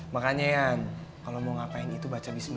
makanya yan kalau mau ngapain itu baca bismil